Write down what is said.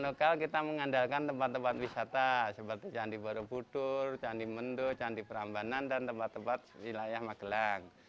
lokal kita mengandalkan tempat tempat wisata seperti candi borobudur candi mendu candi perambanan dan tempat tempat wilayah magelang